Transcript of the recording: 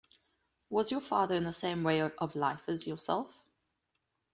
Was your father in the same way of life as yourself?